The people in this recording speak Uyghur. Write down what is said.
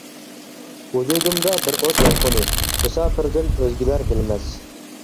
ۋۇجۇدۇمدا بىر ئوت يالقۇنى، مۇساپىردىن ئۆزگىلەر بىلمەس.